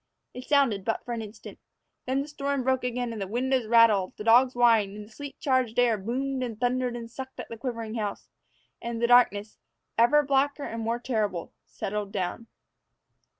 It sounded but for an instant. Then the storm broke again, the windows rattled, the dogs whined, the sleet charged air boomed and thundered and sucked at the quivering house, and darkness, ever blacker and more terrible, settled down.